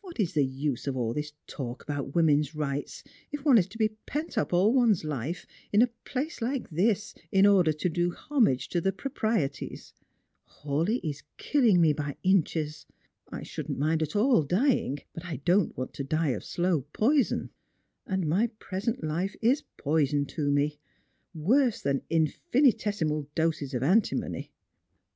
What is the use of all this talk about women's rights if one is to be pent up all one's life in a f)lace like this in order to do homage to the jDroprieties ? Haw eigh is killing me by inches. I shouldn't at all mind dying, but I don't want to die of slow poison ; and my present life is poison to me — worse than infinitesimal doses of antimony."